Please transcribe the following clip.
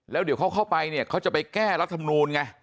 แล้วเดี๋ยวเขาเข้าไปเนี่ยเขาจะไปแก้รัฐมนูลไง